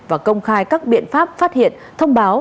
và công khai các biện pháp phát hiện thông báo